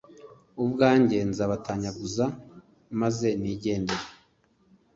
ubwanjye nzabatanyaguza maze nigendere,